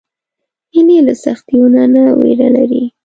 هیلۍ له سختیو نه نه ویره لري